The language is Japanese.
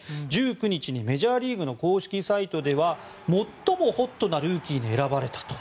１９日にメジャーリーグの公式サイトでは最もホットなルーキーに選ばれたと。